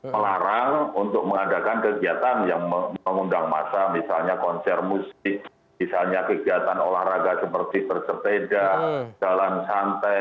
melarang untuk mengadakan kegiatan yang mengundang masa misalnya konser musik misalnya kegiatan olahraga seperti bersepeda jalan santai